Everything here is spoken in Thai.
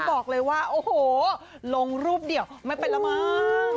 บอกเลยว่าโอ้โหลงรูปเดียวไม่เป็นแล้วมั้ง